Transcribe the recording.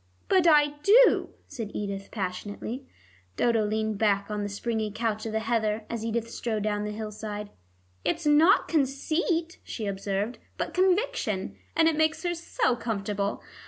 "But I do," said Edith passionately. Dodo leaned back on the springy couch of the heather as Edith strode down the hillside. "It's not conceit," she observed, "but conviction, and it makes her so comfortable.